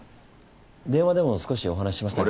電話でも少しお話しましたが。